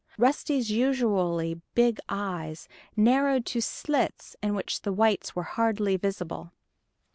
Rusty's usually big eyes narrowed to slits in which the whites were hardly visible.